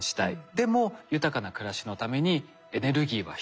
でも豊かな暮らしのためにエネルギーは必要。